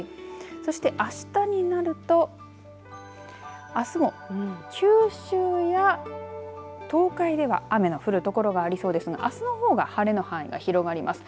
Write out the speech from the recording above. そして、あしたになるとあすも九州や東海では雨の降る所がありそうですがあすのほうが春の範囲が広がります。